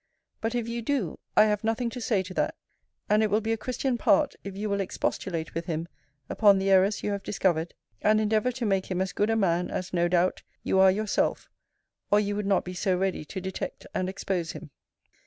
But if you do, I have nothing to say to that; and it will be a christian part if you will expostulate with him upon the errors you have discovered, and endeavour to make him as good a man, as, no doubt, you are yourself, or you would not be so ready to detect and expose him.